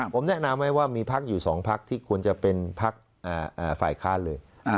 ผมแนะนำให้ว่ามีภาคอยู่สองภาคที่ควรจะเป็นภาคฝ่ายค้านเลย